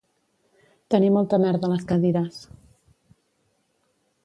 Tenir molta merda a les cadires